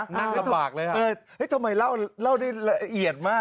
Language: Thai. นั่งลำบากเลยทำไมเล่าได้ละเอียดมาก